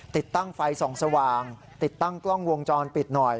ติดตั้งไฟส่องสว่างติดตั้งกล้องวงจรปิดหน่อย